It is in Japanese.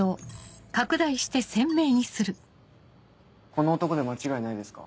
この男で間違いないですか？